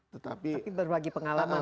tetapi berbagi pengalaman